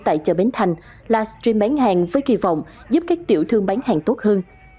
tại chợ bến thành live stream bán hàng với kỳ vọng giúp các tiểu thương bán hàng tốt hơn